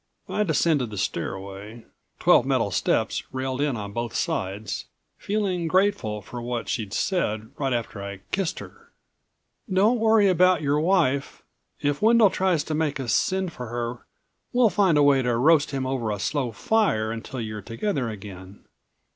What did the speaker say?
I descended the stairway, twelve metal steps railed in on both sides, feeling grateful for what she'd said right after I kissed her. "Don't worry about your wife. If Wendel tries to make us send for her we'll find a way to roast him over a slow fire until you're together again.